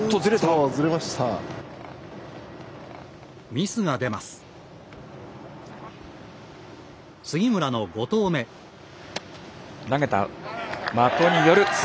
ミスが出ます。